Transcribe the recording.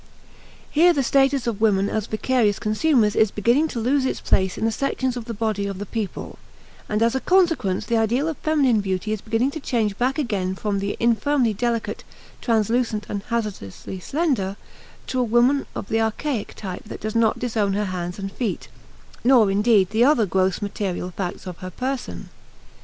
Here the status of women as vicarious consumers is beginning to lose its place in the sections of the body of the people; and as a consequence the ideal of feminine beauty is beginning to change back again from the infirmly delicate, translucent, and hazardously slender, to a woman of the archaic type that does not disown her hands and feet, nor, indeed, the other gross material facts of her person.